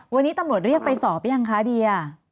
อ๋อวันนี้ตำรวจเรียกไปสอบยังคะเดี๋ยว